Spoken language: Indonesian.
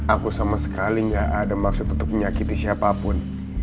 aku sama sekali gak ada maksud untuk menyakiti siapapun